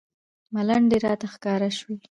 ملنډې راته ښکاره شوې.